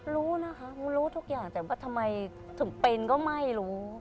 รู้นะคะรู้ทุกอย่างแต่ว่าทำไมถึงเป็นก็ไม่รู้